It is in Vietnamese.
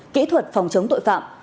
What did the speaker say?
kỹ thuật phòng chống tội phạm